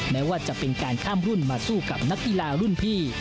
แม้ว่าจะเป็นการข้ามรุ่นมาสู้กับนักกีฬารุ่นพี่